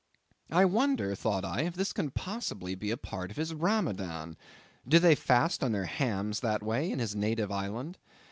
I wonder, thought I, if this can possibly be a part of his Ramadan; do they fast on their hams that way in his native island.